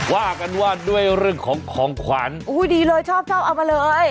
ว่ากันว่าด้วยเรื่องของของขวัญอุ้ยดีเลยชอบชอบเอามาเลย